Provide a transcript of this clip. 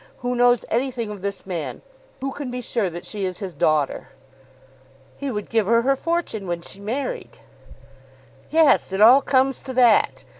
Who knows anything of this man? Who can be sure that she is his daughter?" "He would give her her fortune when she married." "Yes; it all comes to that.